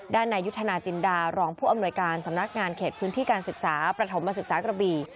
ด้านในยุทธนาจิณฐารองผู้อำนวยการสำนักงานเขตพื้นที่การศิษย์สาประถมศิษย์ศาสตร์กระบี